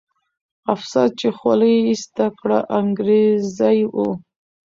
افسر چې خولۍ یې ایسته کړه، انګریزي وو.